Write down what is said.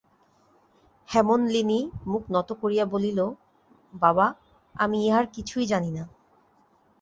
হেমনলিনী মুখ নত করিয়া বলিল, বাবা, আমি ইহার কিছুই জানি না।